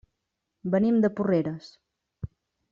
Venim de Porreres.